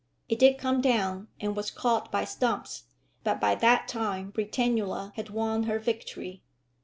It did come down, and was caught by Stumps, but by that time Britannula had won her victory.